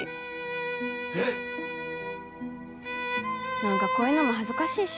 何かこういうのも恥ずかしいし。